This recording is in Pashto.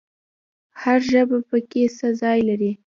هر ژبه پکې څه ځای لري؟